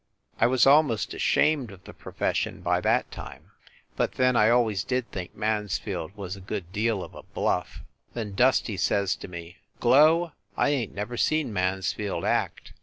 I was almost ashamed of the profession by that time. But then, I always did think Mansfield was a good deal of a bluff. Then Dusty says to me, "Glo, I ain t never seen Mansfield act.